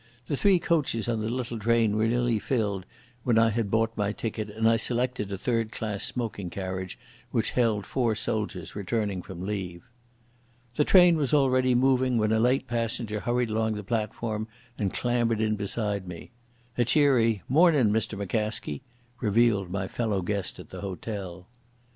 The three coaches on the little train were nearly filled when I had bought my ticket, and I selected a third class smoking carriage which held four soldiers returning from leave. The train was already moving when a late passenger hurried along the platform and clambered in beside me. A cheery "Mornin', Mr McCaskie," revealed my fellow guest at the hotel.